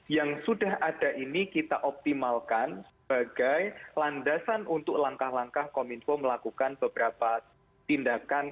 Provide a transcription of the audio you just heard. yang sudah ada ini kita optimalkan sebagai landasan untuk langkah langkah kominfo melakukan beberapa tindakan